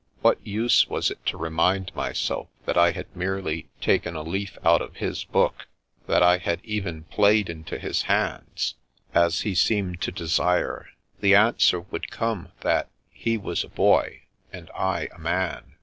What use was it to remind myself that I had merely taken a leaf out of his book, that I had even played into his hands^ as 242 The Princess Passes he seemed to desire? The answer would come that he was a boy, and I a man.